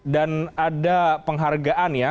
dan ada penghargaan ya